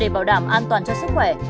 để bảo đảm an toàn cho sức khỏe